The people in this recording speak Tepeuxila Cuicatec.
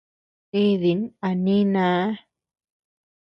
Nídin a nínaa.